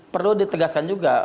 perlu ditegaskan juga